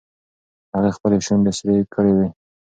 هغې خپلې شونډې سرې کړې وې.